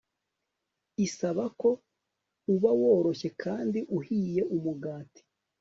isaba ko uba woroshye kandi uhiye Umugati